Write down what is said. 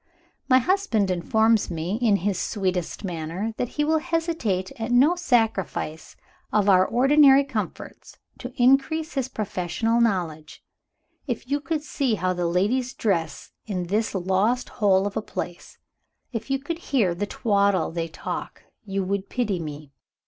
"My husband informs me, in his sweetest manner, that he will hesitate at no sacrifice of our ordinary comforts to increase his professional knowledge. If you could see how the ladies dress in this lost hole of a place, if you could hear the twaddle they talk, you would pity me.